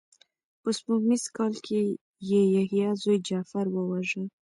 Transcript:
په سپوږمیز کال کې یې یحیی زوی جغفر وواژه.